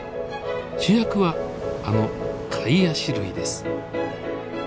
主役はあのカイアシ類です。